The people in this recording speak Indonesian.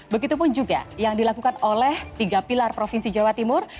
begitupun juga yang dilakukan oleh tiga pilar provinsi jawa timur